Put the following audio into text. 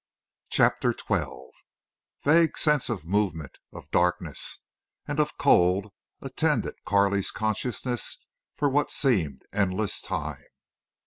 CHAPTER XII Vague sense of movement, of darkness, and of cold attended Carley's consciousness for what seemed endless time.